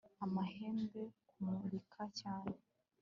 amahembe. kumurika cyane